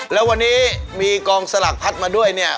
แล้ววันนี้มีกองสลักพัดมาด้วยเนี่ย